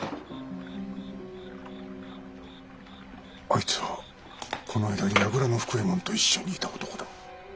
あいつはこの間櫓の福右衛門と一緒にいた男だ。